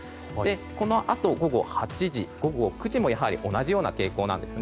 このあと午後８時、午後９時も同じような傾向です。